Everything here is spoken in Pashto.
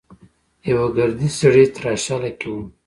يوه ګردي سړی تراشله کې و.